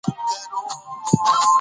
د ناول محتوا له تصوف سره ورته والی لري.